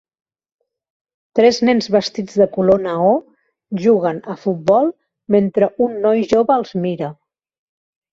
Tres nens vestits de color neó juguen a futbol mentre un noi jove els mira